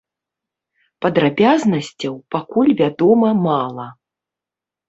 Падрабязнасцяў пакуль вядома мала.